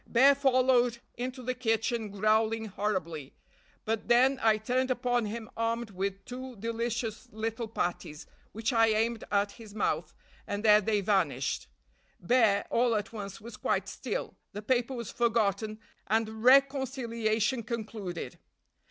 Bear followed into the kitchen growling horribly; but then I turned upon him armed with two delicious little patties, which I aimed at his mouth, and there they vanished. Bear, all at once, was quite still, the paper was forgotten, and reconciliation concluded.